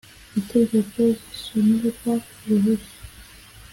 itegeko zisonerwa uruhushya .